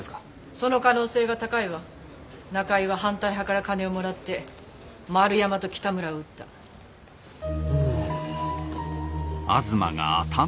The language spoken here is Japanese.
その可能性が高いわ中井は反対派から金をもらって丸山と北村を撃ったうんどうした？